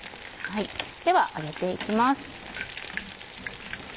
では上げて行きます。